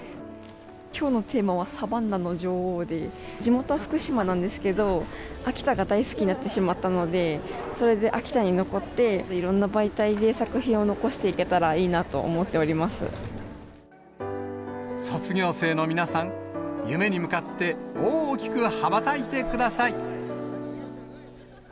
きょうのテーマはサバンナの女王で、地元は福島なんですけど、秋田が大好きになってしまったので、それで秋田に残って、いろんな媒体で、作品を残していけたら卒業生の皆さん、夢に向かって、大きく羽ばたいてください。